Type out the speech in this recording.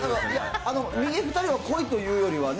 右２人は濃いというよりはね。